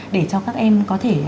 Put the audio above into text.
để cho các em có thể